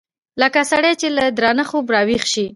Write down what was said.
لکه سړى چې له درانه خوبه راويښ سي.